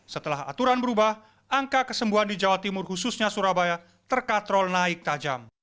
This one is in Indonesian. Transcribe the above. setelah aturan berubah angka kesembuhan di jawa timur khususnya surabaya terkatrol naik tajam